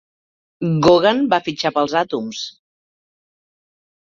Gogan va fitxar pels Atoms.